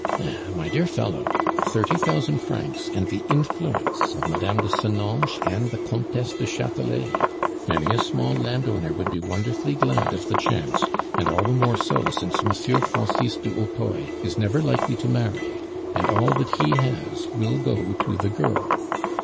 Eh! my dear fellow, thirty thousand francs and the influence of Mme. de Senonches and the Comtesse du Chatelet! Many a small landowner would be wonderfully glad of the chance, and all the more so since M. Francis du Hautoy is never likely to marry, and all that he has will go to the girl.